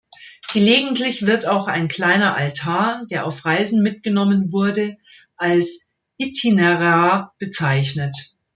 Gelegentlich wird auch ein kleiner Altar, der auf Reisen mitgenommen wurde, als "Itinerar" bezeichnet.